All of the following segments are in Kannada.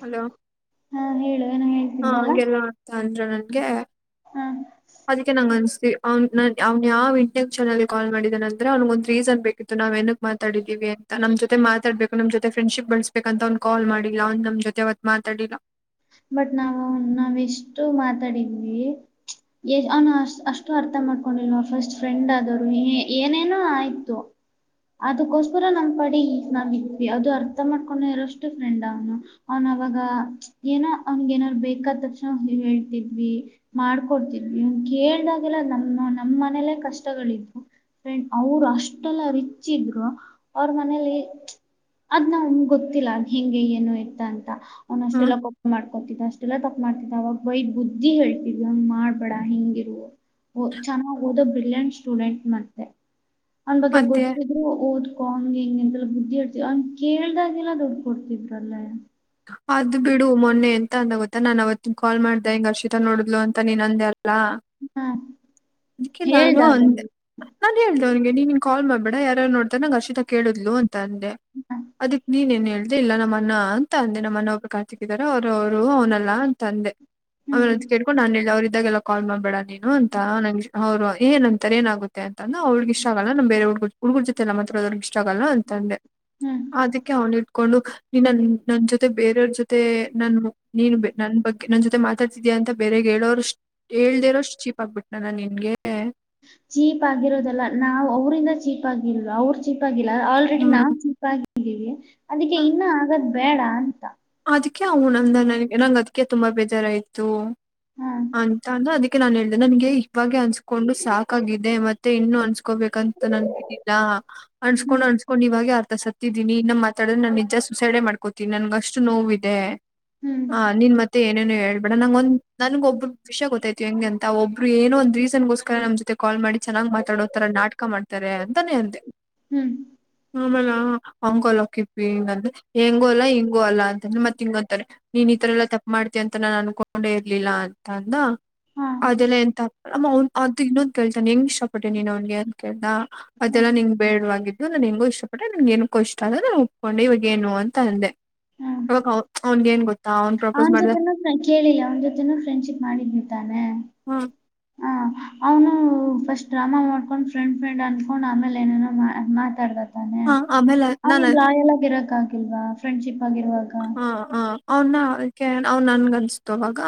ಹಲೋ ಹಾ ಹೇಳು ಎನೊ ಹೇಳ ಹಾ ಹಗೆಲ್ಲ ಆತ ಅನ್್ರ ನನ್ಗೆ ಹ್ಮ ಅದಕ್ಕೆ ನಂಗ ಅನ್ಸ್ತಿ ಅವ್ ನನ್ ಅವ್ನ್ ಯಾವ ಇನ್ಟ್ಕನಲ್ ಕಾ ಮಾಡಿದ ಅಂದ್ರ ಅವ್ನಗ ಒಂದ್ ರೀಸನ್ ಬೇಕಿತ್ತು ನಾವ್ ಏ ಮಾತಾಡಿದೀವಿ ಅಂತ ನಮ್ ಜೊತೆ ಮಾತಾಡ್ಬೇಕು ನಮ್ ಜೊತೆ ಫ್ರೆಂಡ್ಶಿಪ್ ಬಳಸ್ಬೇಕ ಅಂತ ಒ್ ಕಾಲ್ ಮಾಡಿಲ್ಲ ಅವ್ ನ್ ಜೊತೆ ಅವತ್ ಮಾತಾಡಿಲ್ಲ ಬಟ್ ನಾವ ಅವ್ನಾವ ಎಷ್ಟು ಮಾತಾಡಿದ್ವಿ ಎ್ ಅವನು ಅ ಅಷ್ಟು ಅರ್ಥ ಮಾಡ್ಕೊಂಡಿಲ್ವ ಫಸ್ಟ್ ಫ್ರೆಂಡ್ ಆದವರು ಏನೇನೋ ಆಯ್ತು ಅದಕ್ಕೋಸ್ಕರ ನಮ ಪಾಡಿ ಈ ನಾವಿದ್ವಿ ಅದು ಅರ್ಥ ಮಾಡ್ಕೊಂಡ ಇರೋಷ್ಟು ಫ್ರೆಂಡ್ ಅವ್ನು ಅವನ್ವಾಗ ಏನ ಅವನ್ಗ ಏನಾದ್ ಬೇಕ ತಕ್ಷಣ ಹೇಳ್ತಿದ್ವಿ ಮಾಡ್ಕೊಡ್ತಿದ್ವಿ ಕೇಳ್ದಾಗೆಲ್ಲ ನಮ್ಮ ನಮ್ಮ್ ಮನೇಲ್ಲೇ ಕಷ್ಟಗಳಿದ್ವು ಫ್ರೆಂಡ್ ಅವರು ಅಷ್ಟೆಲ್ಲ ರಿಚ್ ಇದ್ರು ಅವ್ರ ಮನೇಲಿ ಅದ್ ನ ಅವನ್ ಗೊತ್ತಿಲ್ಲ ಹೆಿಂಗೆ ಏನು ಇತ್ತ ಅಂತ ಅವ್ನ ಅಷ್ಟೆ ಹ್ಮ್ ಎಲ್ಲ ಮಾಡ್ಕೊತಿದ ಅಷ್ಟೆಲ್ಲಾ ತಪ್ಪ ಮಾಡ್ತಿದ್ದ ಅವಾಗ ಬೈ ಬುದ್ಧಿ ಹೇಳ್ತಿದ್ವಿ ಹಂಗ್ ಮಾಡ್ಬೇಡ ಹಿಂಗಿರು ಓ ಚೆನ್ನಾಗ್ ಓದೋ ಬ್ರಿಲಿಯಂಟ್ ಸ್ಟೂಡೆಂಟ್ ಮತ್ತೆ ಅವನ್ ಬಗ್ಗೆ ಮತ್ತೆ ಗೊತ್ತು ಓದ್ಕೋಂಗ್ ಹೆಿಂಗ ಎಂತೆಲ್ಲ ಬುದ್ಧಿ ಇಡ್ತವ ಅವಂಗ ಕೇಳ್ದಾಗೆಲ್ಲ ದುಡ್ಡು ಕೊಡ್ತಿದ್ರಲ್ಲಾ ಅದ್ ಬಿಡು ಮೊನ್ನೆಂತ ಗ ಅಂದ ಗೊತ್ತ ನಾನ್ ಅವತ್ತ ಕಾಲ್ ಮಾಡ್ದ ಹಂಗ ಅರ್ಷಿತಾ ನೋಡಿದ್ಲು ಅಂತ ನೀನ್ ಅಂದ ಅಲ್ಲ ಹಾ ಅದಕ್ಕೆ ನಾನು ಹೇಳ್ದ ಅದನ್ನ ಅಂದೆ ನಾನ್ ಹೇಳ್ದೆ ಅವನಿಗೆ ನೀನ್ನ್ ಕಾಲ್ ಮಾಡ್ಬೇಡ ಯಾರು ನೋಡ್ತಾರೆ ನಂಗ್ ಅಷಿತ ಕೇಳಿದ್ಲು ಅಂತ ಅಂತ ಅಂದೆ ಅದಕ್ ನೀನ್ ಏನ್ ಹೇಳದೆ ಇಲ್ಲ ನಮ್ಮ ಅನ್ನ ತ ಅಂದೆ ನಮ್ಮನ್ನೊಬ್ಬರು ಕಾಣುತ್ತಿದ್ದರ ಅವರು ಅವರು ಅವನಲ್ಲ ಅಂತಂದೆ ಹ್ಮ್ ಅವನಂತ ಕೇಳ್ಕೊಂಡು ನಾನ ಎಲ್ಲಿ ಅವ್ರ ಇದ್ದಾಗೆಲ್ಲ ಕಾಲ್ ಮಾಡ್ಬೇಡ ನೀನು ಅಂತ ನಂ ಅವ ಏನ್ಂತರೆ ಏನಾಗುತ್ತೆ ಅಂದ ಅವ್ರ್ಗೆ ಇಷ್ಟ ಆಗಲ್ಲ ನ ಬೇರೆ ಹುಗ ಹುಡುಗುರ್ ಜೊತೆಲ್ಲ ಮಾತ್ರದ್ರರ್ಗ ಇಷ್ಟ ಆಲ್ಲ ಅಂದೆ ಹ್ಮ್ ಅದಕ್ಕೆ ಅವ್ನು ಇಟ್ಕೊಂಡು ನಿನ್ನಲ್ಲಿ ನನ್ನ ಜೊತೆ ಬೇರೆಯವ್ರ ಜೊತೆ ನಾನು ನಂಜೊತೆ ಬೇರೆಯವರು ಜೊತೆ ನೀನ್ ನನ್ನ ಬಗ್ಗೆ ನನ್ ಜೊತೆ ಮಾತಾಡ್ತಿದೀಯಾ ಅಂತ ಬೇರೆಗೆ ಹೇಳೋರು ಹೇಳ್ತಿರೋ ಅಷ್ಟು ಚೀಪ್ ಆಗ್ಬಿಟ್ಟುನಾ ನಾನು ನಿನ್ಗೆ ಚೀಪ್ ಆಗಿರೋದಲ್ಲ ನಾವು ಅವರಿಂದ ಚೀಪ್ ಆಗಿಲ್ವ ಅವ್ರ ಚಿಪ್ ಆಗಿಲ್ಲ ಆಲ್ರೆಡಿ ನಾ ಹ್ಮ್ ಚಿಪ್ ಆಗಿದ್ದೀವಿ ಅದಕ್ಕೆ ಇನ್ನು ಆಗದ್ ಬೇಡ ಅಂತ ಅದಕ್ಕೆ ಅವನು ಅಂದ ನನಗೆ ನಂಗ ಅದಕ್ಕೆ ತುಂಬಾ ಬೇಜಾರಾಯ್ತು ಹಾ ಅಂತ ಅಂದ ಅದಕ್ಕೆ ಅದುಕ್ಕೆ ನಾನ್ ಹೇಳ್ದೆ ನನ್ಗೆ ಇವಾಗಿ ಅನ್ಸ್ಕೊಂಡು ಸಾಕಾಗಿದೆ ಮತ್ತೆ ಮತ್ತೆ ಇನ್ನುೂ ಅನ್ಸ್ಕೋಬೇಕಂತ ನನ್ಗಿಲ್ಲ ಹ್ಮ್. ಅನ್ಸ್ಕೊಂಡ್ ಅನ್ಸ್ಕೊಂಡ್ ಇವಾಗೆ ಅರ್ಥಸತ್ತ ಹತಿದ್ದೀನಿ ಇನ್ನ ಮಾತಾಡೋ ನಾ ನಿಜ ಸುಸೈಡೆ ಮಾಡ್ಕೋತಿನಿ ನನ್ಗಷ್ಟು ನೋವ ಇದೆ ಹ್ಮ್ ಹ ನಿನ್ ಮತ್ತೆ ಏನೇನು ಹೇಳ್ಬೇಡ ನಂಗ ಒಂದ್ ನನ್ಗ ಒಬ್ಬ ವಿಷಯ ಗೊತ್ತಾಯ್ತು ಹೆಂಗೆ ಅಂತ ಒಬ್ಬರು ಏನೋ ಒಂದ ರೀಸನ್ಗೋಸ್ಕರ ನಮ್ಮ ಜೊತೆ ಕಾಲ್ ಮಾಡಿ ಚೆನ್ನ್ ಮಾತಾಡೋತರ ನಾಟಕ ಮಾಡ್ತಾರೆ ಅಂತಾನೆ ಅ ಅಂದೆ ಹ್ಮ್ ಆಮೇಲ ಹಂಗಲ್ಲ ಕಿಪ್ಪಿ ಎಂಗೋ ಅಲ್ಲ ಇಂಗು ಅಲ್ಲ. ಅಂತನೆ ಮತ್ ಹಿಂಗ್ ಅಂತನೆ ನ ನೀನ್ ಈತರ ಎಲ್ಲಾ ತಪ್ ಮಾಡ್ತೀಯಾ ಅಂತ ನಾನ್ ಅನ್ಕೊಂಡೆ ಇರ್ಲಿಲ್ಲ ಅಂತ ಅಂದ. ಹಾ ಅದೆಲ್ಲಾ ಎನ್ ತಪ್ ಅಮ್ಮ ಅವನ್ ಅಂತ್ ಇನ್ನೊಂದ ಕೇಳ್ತಾನೆ ಹೆಂಗ ಇಷ್ಟ ಪಟ್ಟೆ ನೀನ್ ಅವ್ನ್ಗೆ ಅಂತ ಕೇಳ್ದ. ಅದೆಲ್ಲಾ ನಿಂಗ್ ಬೇಡವಾಗಿದ್ದು ನನ್ ಹೆಂಗು ಇಷ್ಟ ಪಟ್ಟೆ ನನ್ಗೆ ಏನಕ್ಕೂ ಇಷ್ಟ ಆದ ನಾನು ಒಪ್ಕೊಂಡು ಇವಾಗ ಏನು ಅಂತ ಅಂದೆ. ಹು ಅವಾಗ ಅವ್ನ್ಗೆ ಏನ್ ಗೊತ್ತ ಅವನ್ ಅವನ್ ಜೊತೆನೂ ನಾನ್ ಕೇಳಿ ಅವನ ಜೊತೆನೂ ಫ್ರೆಂಡ್ಶಿಪ್ ಮಾಡಿದ್ನಿ ತಾನೆ. ಹಾ ಹ ಅವ್ನು ಫಸ್ಟ್ ಡ್ರಾಮಾ ಮಾಡ್ಕೊಂಡ್ ಫ್ರೆಂಡ್ ಫ್ರೆಂಡ್ ಅನ್ಕೊಂಡ್ ಆಮೇಲೆ ಏನೇನೋ ಮಾತಾಡ್ದ. ತಾನೆ ಹಾ ಆಮೇಲೆ ನಾನು ಅವ್ನಿಗ್ ಲಾಯಲ್ ಆಗಿ ಇರಕ್ ಆಗಿಲ್ವಾ ಫ್ರೆಂಡ್ಶಿಪ್ ಆಗಿರುವಾಗ. ಆ ಆ ಅವನ್ ನನ್ಗ ಅನ್ಸತು ಅವಾಗ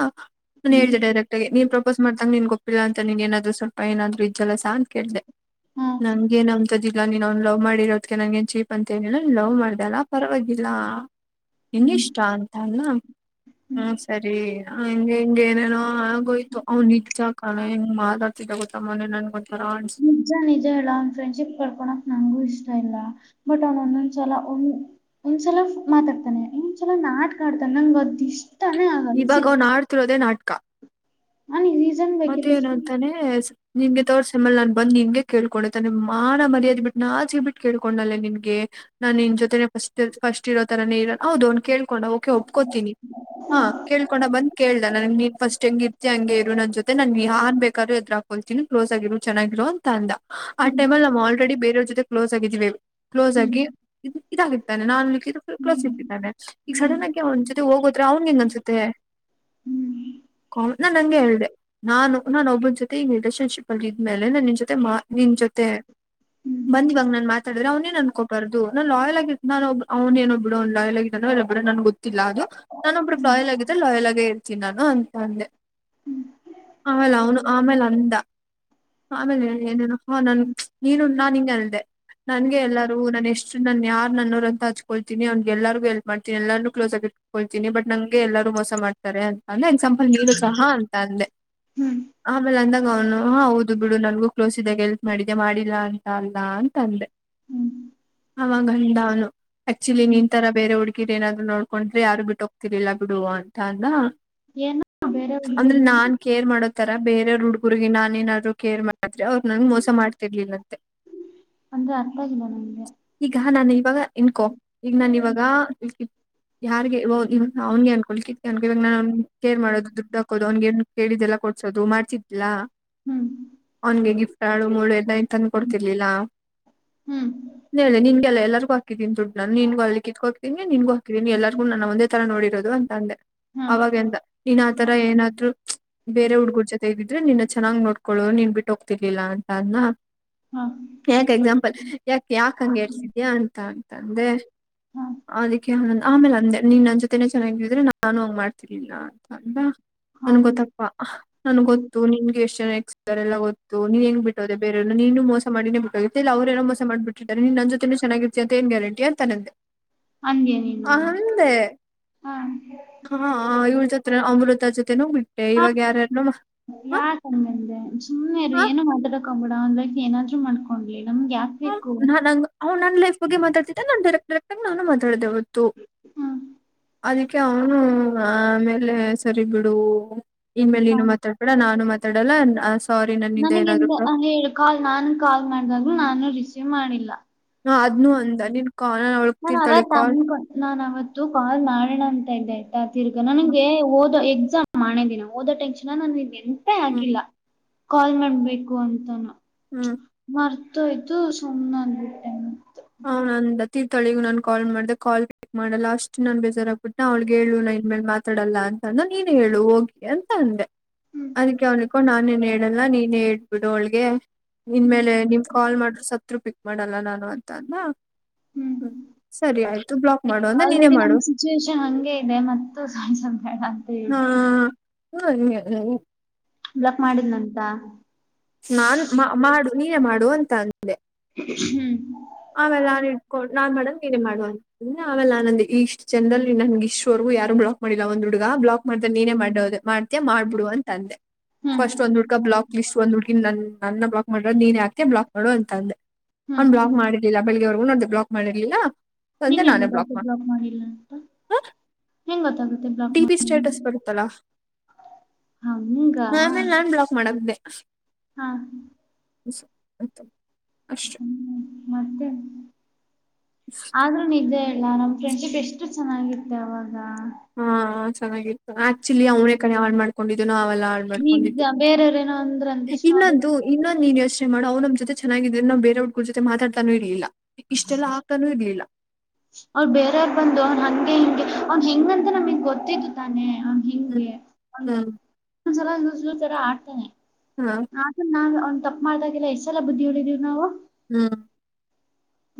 ನಾನ್ ಹ್ಮ್ ಹೇಳ್ದೆ ಡೈರೆಕ್ಟ್ ಆಗಿ ನೀನ್ ಪ್ರಪೋಸ್ ಮಾಡ್ದಾಗ ನೀನ್ ಗೊಪ್ಪಿಲ್ಲ ಅಂತ ನೀನ್ ಏನಾದರು ಸ್ವಲ್ಪ ಏನಾದ್ರೂ ಜಲಸ ಅಂತ ಕೇಳ್ದೆ. ಹಾ ನಂಗೆನ್ ಅಂತದ್ ಜಿ ಇಲ್ಲ ನೀನ್ ಅವ್ನ್ ಲವ್ ಮಾಡಿರೋದ್ಕೆ ನನ್ ಏನ್ ಚೀಪ್ ಅಂತ ನಿಲ್ಲ ಲವ್ ಮಾಡ್ದಲ್ಲ ಪರವಾಗಿಲ್ಲ. ನಿನ್ ಹ್ಮ್ ಇಷ್ಟ ಅಂತ ಅಂದ್ನ. ಹ್ಮ್ ಸರಿ ಹಂಗ ಹಿಂಗ ಏನೇನೋ ಆಗೋಯ್ತು ಅವ್ ನಿಜ್ಜಾ ಕಣೆ ಹೆಂಗ್ ಮಾತಾಡ್ತಿದ್ದ ಗೊತ್ತ ಮೊನ್ನೆ ನನ್ ಹೊಂತಾರ - - ನಿಜ ನಿಜ ಹೇಳ್ಲ ಅವನ್ ಫ್ರೆಂಡ್ಶಿಪ್ ಕಳ್ಕೋಳಕ್ ನಂಗು ಇಷ್ಟ ಇಲ್ಲ ಬಟ್ ಅವ್ನ್ ಒಂದೊಂದ್ಸಲ ಒನ್- ಒಂದ್ಸಲ ಮಾತಾಡ್ತಾನೆ ಒಂದ್ಸಲ ನಾಟ್ಕ ಆಡ್ತಾನ್ ನಂಗ ಅದ್ ಇಷ್- ಇವಾಗ ಅವ್ನ್ ಅಡ್ತಿರೋದೇ ನಾಟ್ಕ. ನನ್ ರೀಸನ್ ಮತ್ತೇ ಬೇಕಿತ್ತು ಏನಂತಾನೆ ನಿಂಗೆ ತರ್ಡ್ ಮೇಲ್ ನಾನ್ ಬಂದ್ ನಿಂಗೆ ಕೇಳ್ಕೊಂಡೆ ತಾನೆ ಮಾನ ಮರ್ಯಾದಿ ಬಿಟ್ ನಾಚ್ಕೆ ಬಿಟ್ ಕೇಳ್ಕೊಂಡ್ನಲ್ಲೆ ನಿನ್ಗೆ. ನಾನ್ ನಿನ್ ಜೊತೆನೆ ಫಸ್ಟ್ ಫಸ್ಟ್ ಇರೋ ತರಾನೇ ಇರ ಹೌದು ಅವ್ ಕಳ್ಕೊಂಡ ಓಕೆ ಒಪ್ಕೋತೀನಿ. ಹಾ ಕೇಳ್ಕೊಂಡ ಬಂದ ಕೇಳ್ದಾ ನನ್ ನೀನ್ ಫಸ್ಟ್ ಹೆಂಗ್ ಇರ್ತಿ ಹಂಗ ಇರು ನನ್ ಜೊ- - ತೆ ನನ್ ಯಾರ್ ಬೇಕಾರು ಹೆದ್ರಕೋತೀನಿ ಕ್ಲೋಸ್ ಆಗಿರು ಚೆನ್ನಾಗಿರು ಅಂತಅಂದ ಆ ಹ್ಮ್ ಟೈಮಲ್ ನಮ್ಮ ಆಲ್ರೆಡಿ ಬೇರೆಯವ್ರ ಜೊತೆ. ಕ್ಲೋಸ್ ಆಗಿದ್ದೀವಿ ಕ್ಲೋಸ್ ಹ್ಮ್ ಆಗಿ ಇ ಇದಾಗಿದ್ದಾನೆ ನಾನಕ್ಕೆ ಇದು ಕ್ಲೋಸ್ ಇಟ್ಟಿದ್ದಾನೆ. ಇಗ್ ಸಡನ್ ಆಗ ಅವ್ನ್ ಜೊತೆ ಹೋಗೋದ್ರೆ ಅವ್ನ್ ಹೆಂಗ್ ಅನ್ಸುತ್ತೆ ಕ ನಾನ್ ನಂಗೆ ಹೇಳ್ದೆ. ನಾನು ನಾನ್ ಒಬ್ಬನ್ ಜೊತೆ ಈ ರಿಲೇಷನ್ಶಿಪ್ ಅಲ್ಲಿ ಇದ್ಮೇಲೆ ನಿನ್ ಜೊತೆ ಮಾ ನಿನ್ ಜೊತೆ. ಬಂದ್ ಇವಾಗ್ ನನ್ ಮಾತಾಡಿದ್ರೆ ಅವನ್ ಎನ್ ಅನ್ಕೋಬಾರ್ದು ನಾ ಲಾಯಲ್ ಆಗಿ ನಾನಬ್ ಅವನೇನ್ ಬಿಡು ಅವ್ನೆನೊ ಲಾಯಲ್ ಆಗಿ. ನನ್ ಗೊತ್ತಿಲ್ಲ ಅದು ನಾನ ಒಬ್ಬ ಲಾಯಲ್ ಆಗಿದ್ರ ಲಾಯಲ್ ಆಗೇ ಇರ್ತನಿ ನಾನು ಅಂತ ಅಂದೆ. ಅಮೇಲ್ ಅವ್ನು ಆಮೇಲ್ ಅಂದ. ಆಮೇಲೆ ಏನೇನು ಫೋನ್ ನೀನು ನಾನ್ ಹಿಂಗೆ ಅದೆ. ನನ್ಗೆ ಎಲ್ಲಾರು ನು ಎಷ್ಟು ನನ್ ಯಾರ ನನ್ನೂರು ಅಂತ ಹಚ್ಕೊಳ್ತೀನಿ ಅವನ್ಗೆ ಎಲ್ಲರಿಗೂ ಹೆಲ್ಪ್ ಮಾಡ್ತೀನಿ ಎಲ್ಲಾರ್ಗ ಕ್ಲೋಸ್ ಆಗಿ ಹೋಳ್ತೀನಿ ಬಟ್ ನಂಗೆ ಎಲ್ಲರೂ ಮೋಸ ಮಾಡ್ತಾರೆ ಅಂತ ಅಂದ್ರೆ ಎಕ್ಸಾಂಪಲ್ ನೀನು ಸಹಾ ಅಂತ ಅಂದೆ. ಹ್ಮ್ ಆಮೇಲೆ ಅಂದಾಗ ಅವನು ಹಾ ಹೌದು ಬಿಡು ನನ್ಗೂ ಕ್ಲೋಸ್ ಇದಾಗ ಎಲ್ತ್ ಮಾಡಿದ್ದೆ ಮಾಡಿಲ್ಲಾ ಅಂತ ಅಲ್ಲ ಅಂತ ಅಂದೆ. ಆವಾಗ್ ಅಂದ ಅವ್ನು. ಆಕ್ಚುಲಿ ನೀನ್ ತರ ಬೇರೆ ಹುಡ್ಗಿ ಏನಾದ್ರು ನೋಡ್ಕೊಂಡ್ರೆ ಯಾರು ಬಿಟ್ಟು ಹೋಗ್ತಿರ್ಲಲ್ಲ ಬಿಡು ಅಂತ ಅಂದ. ಏನೋ ಬೇರೆ ಅಂದ್ರೆ ಹುಡುಗಿರು ನಾನ್ ಕೇರ್ ಮಾಡೋತರ ಬೇರೆಯ್ರ ಹುಡ್ಗರ್ರಿಗೆ ನಾನು ನಾದ್ರು ಕೇರ್ ಮಾಡಿದ್ರೆ ಅವ್ರು ನನ್ ಮೋಸ ಮಾಡತಿರ್ಲಿಲ್ಲಂತೆ. [inaudible] ಅಂದ್ರೆ ಅರ್ಥ ಆಗಿಲ್ಲ ನನ್ಗೆ ಈಗ ನಾನ್ ಇವಾಗ ಇನ್ಕೊ ಈಗ ನಾನ್ ಇವಾಗ ಯಾರ್ಗೆ ಅವ್ನಾಗೆ ಅನ್ಕೊಳ್ಕಿದ ಅನ್ಕೋಳ್ಬೇಕಾಗ ನಾನ್ ಅವ ಕೇರ್ ಮಾಡೋದು ದುಡ್ಡು ಹಾಕೋದು ಅವ್ನ್ಗೆ ಕೇಳಿದೆಲ್ಲ ಕೊಡ್ಸೋದು. ಮಾಡ್ತಿದ್ಲ ಹ್ಮ್ ಅವನ್ಗೆ ಗಿಫ್ಟ್ ಆಡು ಮೂಳು ಎನ್ ತಂದ ಕೊಡ್ತಿರ್ಲಿಲ್ಲಾ. ಹ್ಮ್ ಇಲ್ಲ ಇಲ್ಲ ನಿನ್ಗೆಲ್ಲ ಎಲ್ಲರ್ಗು ಹಕೀನ ದುಡ್ ನಿನ್ಗು ಅಲ್ಲಿ ಕಿತ್ಕೊತ್ತಿನಿ ನಿನ್ಗು ಹಾಕಿದಿನಿ ಎಲ್ಲರಿಗು ನನ್ನ ಒಂದೇ ತರ ನೋಡಿರೋದು ಅಂತ ಅಂದೆ. ಹಾ ಅವಾಗೆಂದ ನೀನ್ ಆತರ ಏನಾದ್ರು ಬೇರೆ ಹುಡ್ಗುರ್ ಜೊತೆೇಗಿದ್ರೆ ನಿನ್ನ ಚನ್ನ್ ನೋಡ್ಕೋು ನೀನ್ ಬಿಟ್ಟ ಹೋಗ್ತಿರ್ಲಿಲ್ಲ ಅ ಹಾ ಯಾಕೆ ಎಕ್ಸಾಂಪಲ್ ಯಾಕೆ ಯಾಕ ಹಂಗಗೆ ಹೇಳ್ತಿದ್ಯಾ ಅಂತ ಅಂತಂದೆ ಹಾ ಅದಿಕ್ಕೆ ಆಂದ್ ಆಮೇಲೆ ಅಂದೆ ನೀನ್ ಮತ್ತ ಚೆನ್ನಾಗಿದ್ರೆ ನಾನು ಹಂಗ ಮಾಡ್ತಿರ್ಲಿಲ್ಲ ಅಂತ ಅಂದ ಹಾ ನನ್ ಗೊತ್ತ ಾ ನನ್ ಗೊತ್ತು ನಿನ್ಗೆ ಎಷ್ಟು ಜನ ರೆಲ್ಲ ಗೊತ್ತು ನೀನ್ ಹೆಂಗ್ ಬಿಟ್ಟೋದೆ ಬೇರೆನ ನೀನು ಮೋಸ ಮಾಡಿನೇ ಬಿಟ್ಟೋಗ ಇ ಅವ್ರೇನೋ ಮಸ ಮಾಡಬ ಬಿಟ್ಟು ನೀನ್ ನನ್ನ ಜೊತೆೇೂ ಚೆನ್ನಾಗಿರ್ತಿ ಅಂತ ಏನ್ ಗ್ಯಾರಂಟಿ ಅಂತ ಅ ನಂದೆ ಹಂೇ ನೀನು ಹ ಹೆ ಹಾ ಹಾ ಇವ್ರ ಜೊತೆ ಅಮೃತ ಜೊತೆ ನ ಹ್ ಬಿು ಅಷ್ಟೆ ಇವಾಗ ಯಾರನುಮ್ಮ ಯಾಕಮಂದೆ ಸುಮ್ಮ್ನೆಾರರು ಹಾ ಏನ ಮಾತಾಡಕೋಗ್ಬೇಡ ಒಂದ್ ಲೈಫ್ ಏನಾದ್ರು ಮಾಡ್ಕೊಂಡ್ಲಿ ನಮ್ಗೆ ಯಾಕ ಹಾ ನ ಹ ನನ್ ಲೈಫ್ ಬಗ್ ಮಾತಡ್ತಿದ್ದ ನನ್ ಡರೆಕ್ ಡರೆಕ್ ಆ ನಾನು ಮಾತಾಡೇ ಹದು ಹ್ಮ್ ಅದಕ್ಕೆ ಅವನು ಆಮೇಲೆ ಸರಿ ಬಿಡು ಇನ್ ಮೇಲೆ ಇನ್ನುನು ಮಾತಾಡ್ಬೇಡ ನಾನು ಮಾತಾಡಲ್ಲ ಸಾರಿ ನನ್ನಿಂದ ನನಗಂತ ಏನಾದ್ರು ಹೇಳು ಕಾಲ್ ನಾನ ಕಾಲ್ ಮಾಡಿದಾಗ್ೂ ನಾನು ರಿಸೀವ್ ಮಾಡಿಲ್ಲ ಹ ಅದ್ನು ಅಂದ ನಿನ್ ಕ ನಾನನ್ ಅವತ್ ತನ್ ನಾನ್ ಅವತ್ತು ಕಾಲ್ ಮಾಡೋಣ ಅಂತ ಇದ್ದ ತಿರ್ಗಾ ನನಗೆ ಓದೋ ಎಕ್ಸಾಮ್ ಮಾಡೇ ದಿನ ಓದೋ ಟೆನ್ನ ನಾನು ಇದ್ದೀನಿ ಮತ್ತೆ ಹ್ಮ್ ಆಕಿಲ್ಲ ಕಾಲ್ ಮಾಡ್ಬೇಕು ಅಂತಾನ ಹ್ಮ್ ಮರ್ತೋಯ್ತು ಸುಮಮ್ಮನೆ ಅಂದ್ಬಿಟ್ಟೆ ಹ ನಂದ ತೀರ್ಥಳಿಗ ನಾನ್ ಕಾಲ್ ಮಾಡ್ದೆ ಕಾಲ್ ಚಿಕ್ ಮಾಡಲ್ಲ ಅಷ್ಟು ನಾನನ್ ಬೇಜಾರಾಗಗ್ಬಿಟ್ಟನ ಅವ್ಗ್ ಹೇಳು ನ ಇನ್ ಮೇಲೆ ಮಾತಾಡಲ್ಲ ಅಂತ ಅಂದ ನೀನ ಹೇಳು ಹೋಗಿ ಅಂತ ಅಂದೆ ಅದಕ್ಕೆ ಅವನಕ್ಕೋ ನಾನೇನ್ ಹೇಳ ಲ್ಲ ನೀನೇ ಇಟ್ಬಿಡು ಅವಳ್ಗೆ ನಿನ್ ಮೇಲೆ ನಿಮ್ ಕಾಲ್ ಮಾಡ್ರರು ಸತ್ರು ಪಿಕ್ ಮಾಡಲ್ಲ ನಾನು ಅ ಅ ಹ್ಮ ಸರಿ ಆಯ್ತು ಬ್ಲಾಕ್ ಮಾಡು ಅಂದ ನೀನೇ ಮಾಡು ಸಿಚುವೇಷನ್ ಹಂಗೆ ಇದೆ ಮತ್ತು ಸ್ಸವಲ್ಪ ಬೇಡ ಹೇಳಿ ಹಾ ಹ್ಮ ಬ್ಲಕ್ ಮಾಡಿದ್ನಂತ ನಾನ್ ಮಾಡು ನೀನೇ ಮಾಡು ಅಂತ ಅಂದೆ ಹ್ಮ್ ಆಮೇಲೆ ನಾನನ್ ಇಟ್ಕೊಂಡು ನಾನ್ ಮಾಡನ್ ನೀನನೆ ಮಾಡುವ ಇ ಅವಲ್ಲ ಆನಂದಿ ಈ ಇಷ್ಟ್ ಚಂದದಲ್ಲಿ ನನ್ಗೆ ಇಷ್ಟ್ವರೆಗೂ ಯಾರ ಬಲಕ್ ಮಾಡಿಲ್ಲ ಒಂದ್ ಹುಡುಗ ಬಲಾಕ್ ಮಾಡ್ದೆ ನೀನೇ ಮಾಡೋದು ಮಾಡ್ತ ಮಾಡ್ಬಿಡುುವ ಅಂತ ಅಂದೆ ಹ್ಮ್ ಫಸ್ಟ್ ಒಂದ್ ಹುಡ್ಾ ಬ್ಲಾಕ್ ಲಿಸ್ ಒಂದ್ ಹುಡ್ಕ ನನ್ನ ಬಲಾಕ್ ಮಾಡ್ರ ನೀನ ಹಾಕ್ತ ಬ್ಲಾಕ್ ಮಾಡುವ ಅಂತಂದೆ ಹ್ಮ್ ಅವ್ ಬ್ಲಾಕ್ ಮಾಡಿ ಬೆಳಿಗ್ಗೆವರೆಗೂ ಬ್ಲಾಕ್ ಮಾಡಿರ್ಲಿಲ್ಲ ಅಂದೆ ನಿಂಗ್ ಹೆಂಗ್ ನಾನೇ ಬ್ಲಾಕ್ ಗೊತ್ತಾಯ್ತು ಮಾಡ ಮಾಡಿಲ್ಲ ಅಂತ ಹೆಂಗ್ ಗೊತ್ತಾಗುತ್ತೆ ಡಿಬಿ ಮಾಡ್ ಸ್ಟೇಟಸ್ ಪಡ್ತಲ ಹಂಗಾ ಆ ಆಮೇಲೆ ನಾನ್ ಬ್ಲಾಕ್ ಮಾಡಕ್್ದೆ ಹಾ [inaudible] ಹ ಸತ್ತ ಅಷ್ಟು [inaudible] ಮತ್ತೆ ಅಷ್ಟೇ ಆದ್ರ ಇದೇ ಅಲ್ಲ ನಮ್ ಫ್ರೆಂಡ್ಶಿಪ್ ಎಷ್ಟು ಚೆನ್ನಾಗಿತ್ತು ಅವಾಗ ಹಾ ಚೆನ್ನಾಗಿತ್ತು ಆಕ್ಚುಲಿ ಅವ್ನೇ ಕಡೆ ಹಾಡ್ ಮಾಡ್ಕೊಂಡಿದ್ದು ನ ಅವೆಲ್ಲಾ ಈಗ ಬೇರೆಯವ್ರೇಏನೋ ಅಂದ್ರ ಅ ಇಷ್ಟ ನ ಅದು ಇನ್ನೊ ನೀನ್ ಯೋಚನೆ ಮಾಡ ಅವ್ ನಮ್ಮೊತೆ ಚೆನ್ನಾಗಿದ್ರ ನ ಬೇರವ್ರಗ ಜೊತೆ ಮಾತಡ್ತಾನು ಇರ್ಲಿಲ್ಲ ಇಷ್ಟೆಲ್ಲಾ ಹಾಕಾನೂ ಇರ್ಲಿಲ್ಲ ಅವ್ರು ಬೇರೆಯವ್ರು ಬಂದು ಅವ್ ಹಂಗೆ ಹಿಂಗೆ ಅವನ್ ಹೆಂಗಂತ ನಮಗ್ ಗೊತ್ತಿದ್ದು ತಾನೆ ಅವ ಹ್ಮ್ ಹಂಗೆ ಒ ಹ್ಮ್ ಒಂದ್ಸಲ ತರ ಆಡ್ತಾನನೆ ಹಾ [inaudible] ನ ನಾ ಅವ್ ತಪ್ಪ ಮಾಡ್ದಾಗೆಲ್ಲ ಎಷ್ಟಸಲ್ಲ ಬುದ್ಧಿ ಹೊಡಿದೀವಿ ನಾವು. ಹ್ಮ್.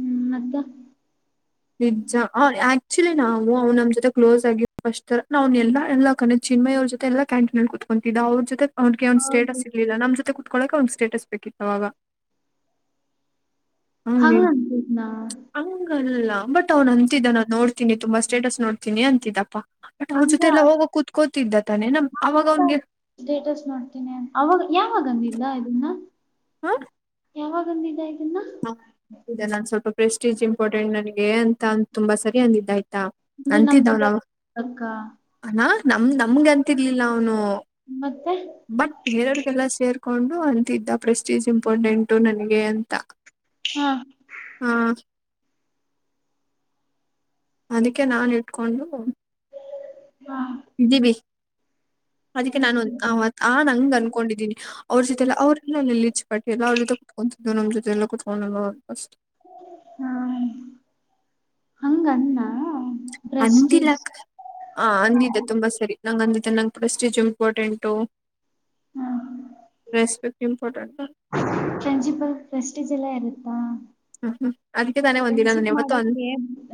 ಹ್ಮ್ ಮದ. ಪಿಜ್ಜಾ ಯಾ. ಚಿಲಿ ನಾವು ಅವ್ ನಮ್ಮ ಜೊ ಕ್ೋಸ್ ಆಗಿ ಅಸ್ರ ನ್ ಎಲ್ಲ ಕ ಚಿಮಯ ಅವ ಜೊತೆ ಎ ಕ್ಯಾಂಟನ್ ಹಳ್ಕೂತವಿ. ದಾ [unintelligible] ಅವ್ರಿಗೆ ಅವ್ ಹೌದು ಸ್ಟೇಟಸ್ ಇರ್ಲಿಲ್ಲ ನಮ್ ಜೊತೆ ಕುೂತ್ಕೊಳಕ್ಕೆ ಅವನ್ ಸ್ಟೇಟಸ್ ಬೇಕಿತ್ತು ಅವಾಗ. ಹ ಹ್ಮ್ ನಾ. ಹಂಗಲ್ಲ ಬಟ್ ಅವ್ನ್ ಅಂತಿದ್ದ ನಾನ್ ನೋಡ್ತೀನಿ ತುಂಬಾ ಸ್ಟೇಟಸ್ ನೋಡ್ತೀನಿ ಅಂತಿದ್ದಪ್ಪ. ಬಟ್ ಅವ್ರ ಜೊತೆ ಅಂದ್ರ ಎಲ್ಲ ಹೋಗ ಕುೂತ್ಕೋತಿದ್ದ ತಾನೇ ನ ಅವಾಗ ಅವ್ನಿಗೆ. ಸ್ಟೇಟಸ್ ನೋಡ್ತೀನಿ ಅವಾಗ ಯಾವಾಗಂದಿದ್ದ ಇದನ್ನ. ಹ್ಮ. ಯಾವಾಗಂದ ಇದ ಇದನ್ನ. ನಾನ್ ಸ್ವಲ್ಪ ಪ್ರೆಸ್ಟೀಜ್ ಇಂಪಾರ್ಟೆಂಟ್ ನನ್ಗೆ ಅಂತ ಅ ತುಂಬಾ ಸರಿ ಅಂದಿದ್ದ ಆಯ್ತಾ. ಅಂದ್ರೆ ನಮ್ ಅಂತಿದವನ ಜೊತೆ ಅಕ್ಕ ಅ ನಮ ನಮಗೆ ಅಂತಿರ್ಲಿಲ್ಲ ಅವನು. ಮತ್ತೆ. ಬಟ್ ಬೇರೆಯವ್ರಿಗೆಲ್ಲ ಸೇರ್ಕೊಂಡು ಅಂತ್ದ ಪ್ರೆಸ್ಟೀಜ್ ಇಂಪಾರ್ಟೆಂಟು ನನಗೆ ಅಂತ. ಹಾ. ಹ್ಮ್. ಅದಕ್ಕೆ ನಾನ್ ಇಟ್ಕೊಂಡು. ಹಾ. ಇದೀವಿಿ ಅದಕ್ಕೆ ನಾನು ಆ ನಂಗ ಅನ್ಕೊಂಡಿದ್ದೀನಿ. ಅವ್ರ ಜೊತೆಲ್ಲ ಅವರುಲ್ಲಲ್ಲಿಚ್ ಪಾಿ ಎಲ್ಲ ಅವ್ರ ಜೊತೆ ಕುತ್ಕೊತಿದ್ದು ನಮ್ಮ ಜೊತೆ ಎಲ್ಲ ಕುತ್ಕೊಂಡು ಅಷ್ಟು. ಹಾ ಹಂಗಣ್ಣ. ಅಂದಿಲ್ಲ ಹ ಅಂದಿದ್ದ ತುಂಬಾ ಸರಿ. ನಂ ಅಂದಿದೆ ನಂ ಕೂಡ ಸ್ಟಿಜ್ important respect. Important. Principle prestige ಎಲ್ಲ ಯರುತ್ತಾ. ಹ್ಮ್ ಹ್ಮ್ ಅದಕ್ಕೆ ತಾನೇ ಒಂದಿನ ನಾನ ಯಾವತ್ತು. ಮಾಡೋಕ್ಕೆ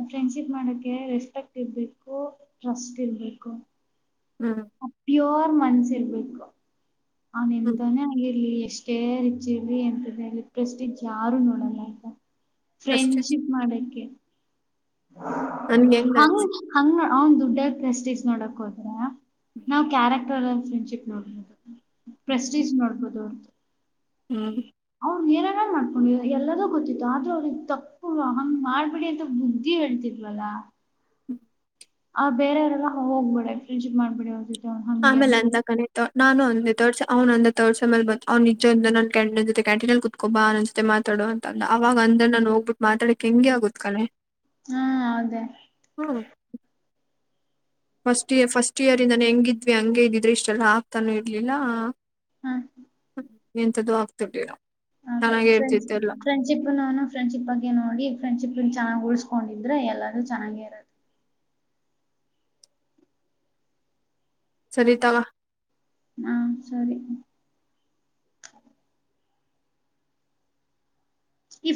ಫ್ರೆಂಡ್ಶಿಪ್ ಮಾಡೋಕ್ಕೆ ರೆಸ್ಪೆಕ್ಟ್ ಇರಬೇಕು ಟ್ರಸ್ಟ್ ಇರ್ಬೇಕು. ಹ್ಮ್. ಪ್ಯೋರ್ ಮನ್ಸ ಇರ್ಬೇಕು ಅವನ್ ಹ್ಮ್ ಎಂತಾನೇ ಅಲ್ಲಿರ್ಲಿ ಎಷ್ಟು. ಕೇರ್ ಇಚಿಲಿ ಎಂತ ಇಲ್ಲಿ ಪ್ರಸ್ಟ್ ಯಾರು ನೋಡಲ್ಲ ಅಂತ. ಪ್ರೆಸ್ಟೀಜ್ ಫ್ರೆಂಡ್ಶಿಪ್ ಮಾಡಕ್ಕೆ. ನನ್ಗೆ ಹೆಂಗ್ ಹಂಗ ಅನ್ಸ್ ಹಂಗ ಅವನ್ ದುಡ್ಡಸ್ಟಿಕ್ಸ್ ನೋಡಕ್ ಹೋದ್ರ. ನಾವವು ಕ್ಯಾರೆಕ್ಟರ್ ಫ್ರೆಂಡ್ಶಿಪ್ ನೋಡ್ಬಹುದು ಪ್ರೆಸ್ಟೀಜ್ ನೋಡ್ಬೋುದು. ಹ್ಮ್. ಅವ್ ನೀೇರನ ಮಾಡ್ಕೊಂಡು ಎಲ್ಲದೂ ಗೊತ್ತಿತ್ತು ಆದ್ರೂ ಅವ್ರಿಗೆ ತಪ್ಪು ಹಂಗ್ ಮಾಡ್ಬಿಡಿ ಅಂತ. ಹೇಳ್ತಿದವಲ್ಲಾ. ಹ್ಮ. ಆ ಬೇರೆಯರೆಲ್ಲ ಹೋಗ್ಬೇಡ ಫ್ರಿಜ್ ಮಾಡಬೇಡಿ. ಆಮಲ್ಲ ಅಂತ ಕಾನೆ. ನಾನ ಅಂದ ತರ್ಡ್ ಅವ್ ಅಂದ ತರ್ಡ್ಸೇ ಬ ಅವ್ ನಿಜ ಅ ನನ್ ಕ್ಯಾಂಟ ಜತೆ ಕ್ಯಾಂಟಿನಲ್ಲಿ. ಕೊಬ್ಬಾ ನನ್ನ ಜೊತೆ ಮಾತಾಡುವ ಅಂದ ಅವಾಗ ಅಂದ ನಾನು ಹೋಗ್ಬಿಟ್ಟು ಮಾತಾ. ಕೆಂಗೆ ಆಗತ್ ಕಲೆ ಹಾ ಅದೇ ಹ್ಮ್ [unintelligible] ಫಸ್ಟ್ ಇಯರ್ ಫಸ್ಟ್ ಇಯರಿಂದಾನ ಹೆಂಗಿದ್ವಿ ಹಂಗಗೆ ಇದಿದ್ರೆ ಇಷ್ಟೆಲ್ಲಾ ಆಗ್ತಾನು ಇರ್ಲಿಲ್ಲ. ಹಾ. ಎಂತದ್ದು ಆಗ್ತಿರ್ಡ ಚೆನ್ನಾಗ ಇರ್ತಿತ್ತು ಎಲ್ಲ. ್ರಶಿಪ್ ನ ಫ್ರೆಂಡ್ಶಿಪ್ಗ್ ನೋಡಿ ಫ್ರೆಂಡ್ಿಪ್ ಚನ್ನಾಗಿ ಉಳ್ಸ್ಕೊಂಡಿದ್ರೆ ಎಲ್ಲರ ಚನ್ನಾಗಿ ಇರತ್ತೆ. ಸರಿತವಾ. ಹಾ ಸರಿ ಇ [inaudible]